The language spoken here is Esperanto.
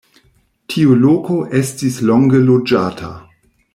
Tiu loko estis longe loĝata.